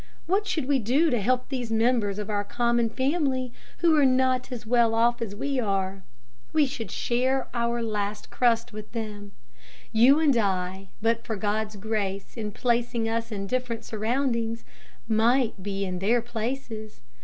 What should we do to help these members of our common family, who are not as well off as we are? We should share our last crust with them. You and I, but for God's grace in placing us in different surroundings, might be in their places.